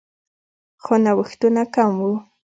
خو نوښتونه کم وو